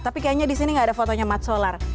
tapi kayaknya di sini gak ada fotonya mat solar